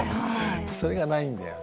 それがないんだよね。